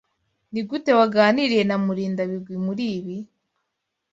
Nigute waganiriye na Murindabigwi muri ibi?